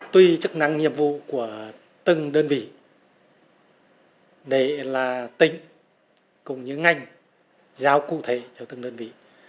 tuy chức năng nhiệm vụ của từng đơn vị để là tính cùng những ngành giao cụ thể cho từng đơn vị